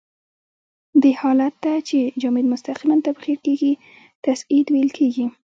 دې حالت ته چې جامد مستقیماً تبخیر کیږي تصعید ویل کیږي.